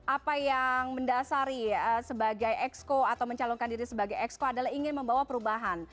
apa yang mendasari sebagai exco atau mencalonkan diri sebagai exco adalah ingin membawa perubahan